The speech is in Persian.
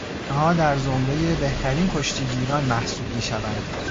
آنها در زمرهی بهترین کشتیگیران محسوب میشوند.